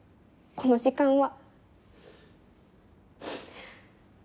この時間は。